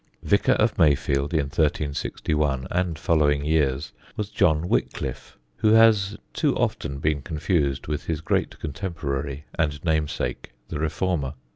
Vicar of Mayfield in 1361 and following years was John Wickliffe, who has too often been confused with his great contemporary and namesake, the reformer.